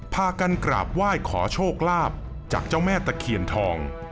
พากันกราบไหว้ขอโชคลาภจากเจ้าแม่ตะเคียนทอง